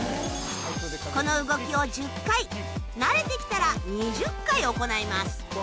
この動きを１０回慣れて来たら２０回行います。